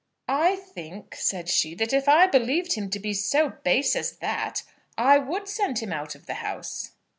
"I think," said she, "that if I believed him to be so base as that, I would send him out of the house."